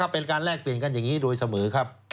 เป็นการแลกเปลี่ยนกันอย่างนี้โดยเสมอครับ